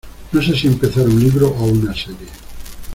No sé si empezar un libro o una serie.